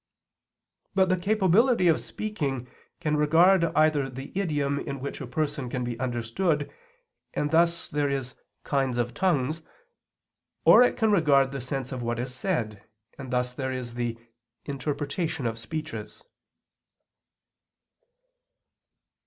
_ But the capability of speaking can regard either the idiom in which a person can be understood, and thus there is kinds of tongues; or it can regard the sense of what is said, and thus there is the _interpretation of speeches.